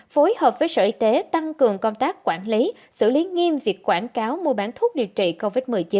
phối hợp với sở y tế tăng cường công tác quản lý xử lý nghiêm việc quảng cáo mua bán thuốc điều trị covid một mươi chín